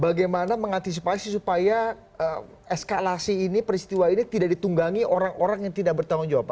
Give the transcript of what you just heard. bagaimana mengantisipasi supaya eskalasi ini peristiwa ini tidak ditunggangi orang orang yang tidak bertanggung jawab pak